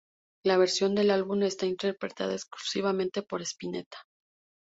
La versión del álbum está interpretada exclusivamente por Spinetta.